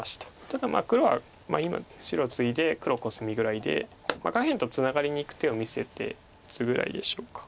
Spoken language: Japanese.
ただ黒は今白ツイで黒コスミぐらいで下辺とツナがりにいく手を見せて打つぐらいでしょうか。